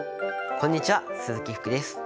こんにちは鈴木福です。